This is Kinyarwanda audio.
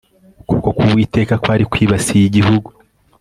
ukuboko kUwiteka kwari kwibasiye igihugu